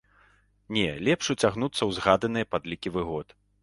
Не, лепш уцягнуцца ў згаданыя падлікі выгод.